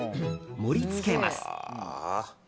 盛り付けます。